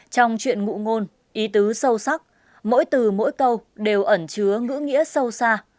trong chuyện ngụ ngôn ý tứ sâu sắc mỗi từ mỗi câu đều ẩn chứa ngữ nghĩa sâu xa